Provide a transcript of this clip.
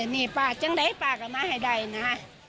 นี่ป้าจังใดป้าก็มาให้ได้นะ